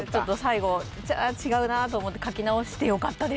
最後違うなと思って書き直してよかったです